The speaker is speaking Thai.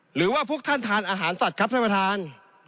หรือว่าพวกท่านทานอาหารสัตว์ครับท่านประธาน